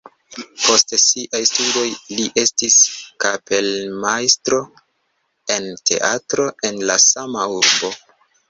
Post siaj studoj li estis kapelmajstro en teatro en la sama urbo.